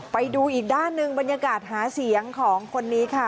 ไปดูอีกด้านหนึ่งบรรยากาศหาเสียงของคนนี้ค่ะ